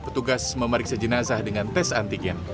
petugas memeriksa jenazah dengan tes antigen